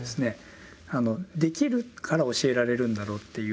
できるから教えられるんだろうっていう。